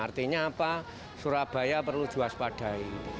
artinya apa surabaya perlu juas padai